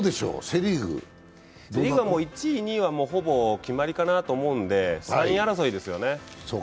セ・リーグは１位、２位はほぼ決まりかなと思うので、３位争いですよね。